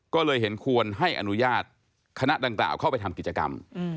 ก็เลยเห็นควรให้อนุญาตคณะดังกล่าวเข้าไปทำกิจกรรม